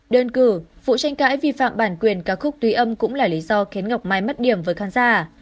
đơn cử vụ tranh cãi vi phạm bản quyền ca khúc tuy âm cũng là lý do khiến ngọc mai mất điểm với khán giả